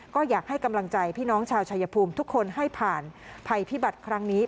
ก็อยากให้กำลังใจพี่น้องชาวชายภูมิทุกคนให้ผ่านภัยพิบัติครั้งนี้